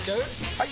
・はい！